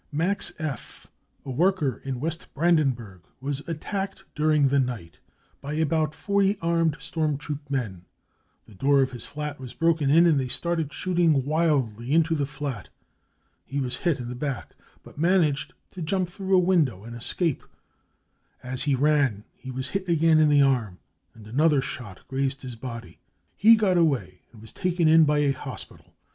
5 '" Max F., a worker in W., Brandenburg, was attacked during the night by about 40 armed storm troop men. The door of his flat was broken in, and they started shooting wildly into the flat. He was hit in the back, but managed to jump through a window and escape ; as he ran he was hit again in the arm, and another shot grazed his body. He got away, and was taken in by a hospital.